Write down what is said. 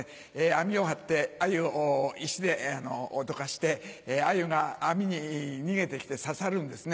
網を張ってアユを石で脅かしてアユが網に逃げてきて刺さるんですね。